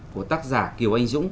của tác giả kiều anh dũng